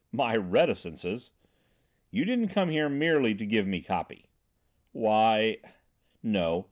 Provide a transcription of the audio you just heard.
"My reticences?" "You didn't come here merely to give me copy." "Why " "No.